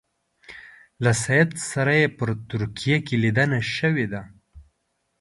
له سید سره یې په ترکیه کې لیدنه شوې ده.